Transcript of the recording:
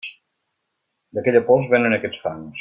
D'aquella pols, vénen aquests fangs.